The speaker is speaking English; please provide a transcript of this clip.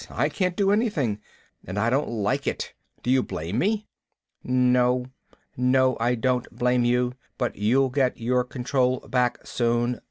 I can't do anything. And I don't like it. Do you blame me?" "No. No, I don't blame you. But you'll get your control back, soon.